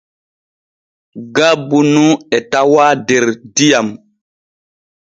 Gabbu nu e tawaa der diyam.